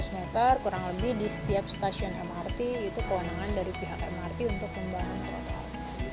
dua ratus meter kurang lebih di setiap stasiun mrt itu keunangan dari pihak mrt untuk membangun trotoar